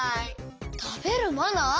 たべるマナー？